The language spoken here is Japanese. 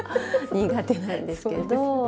苦手なんですけど。